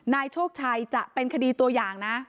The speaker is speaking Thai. นายโชคชัยจะเป็นคดีตัวอย่างนะ